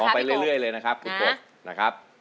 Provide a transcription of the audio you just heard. ร้องไปเรื่อยเลยนะครับคุณกบ